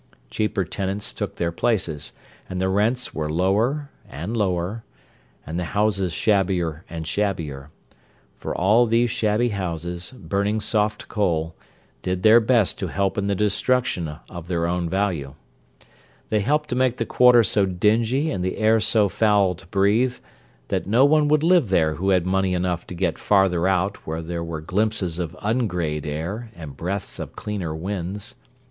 Cheaper tenants took their places, and the rents were lower and lower, and the houses shabbier and shabbier—for all these shabby houses, burning soft coal, did their best to help in the destruction of their own value. They helped to make the quarter so dingy and the air so foul to breathe that no one would live there who had money enough to get "farther out" where there were glimpses of ungrayed sky and breaths of cleaner winds.